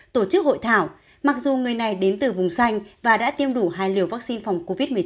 tổ chức hội thảo mặc dù người này đến từ vùng xanh và đã tiêm đủ hai liều vaccine phòng covid một mươi chín